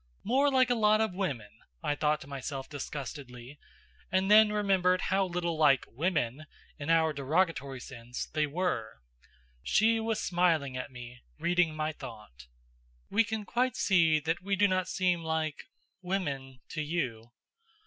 "More like a lot of women!" I thought to myself disgustedly, and then remembered how little like "women," in our derogatory sense, they were. She was smiling at me, reading my thought. "We can quite see that we do not seem like women to you.